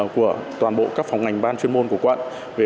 của toàn bộ các phòng ngành ban chuyên môn của quận